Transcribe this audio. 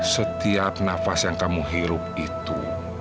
setiap nafas yang kamu hirup itu